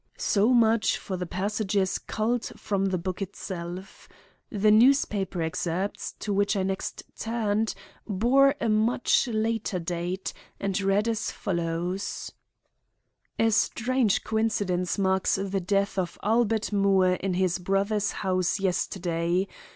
So much for the passages culled from the book itself. The newspaper excerpts, to which I next turned, bore a much later date, and read as follows: "A strange coincidence marks the death of Albert Moore in his brother's house yesterday.